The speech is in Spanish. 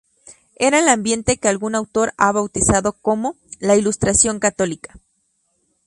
Era el ambiente que algún autor ha bautizado como "la Ilustración católica".